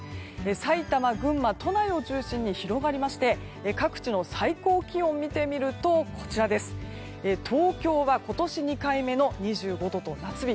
さいたま、群馬、都内を中心に広がりまして各地の最高気温を見てみると東京は今年２回目の２５度と夏日。